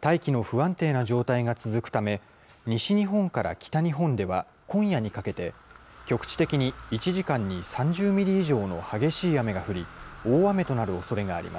大気の不安定な状態が続くため、西日本から北日本では、今夜にかけて、局地的に１時間に３０ミリ以上の激しい雨が降り、大雨となるおそれがあります。